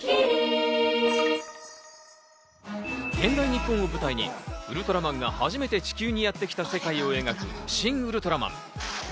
日本を舞台にウルトラマンが初めて地球にやってきた世界を描く『シン・ウルトラマン』。